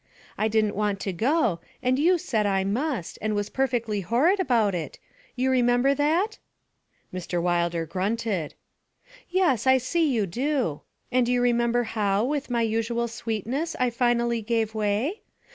I didn't want to go, and you said I must, and was perfectly horrid about it? you remember that?' Mr. Wilder grunted. 'Yes, I see you do. And you remember how, with my usual sweetness, I finally gave way?